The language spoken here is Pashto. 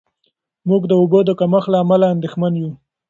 موږ د اوبو د کمښت له امله اندېښمن یو.